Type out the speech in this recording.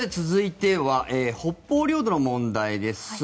続いては北方領土の問題です。